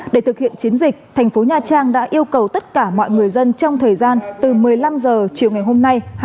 để thực hiện chiến dịch tp nha trang đã yêu cầu tất cả mọi người dân trong thời gian từ một mươi năm h chiều ngày hôm nay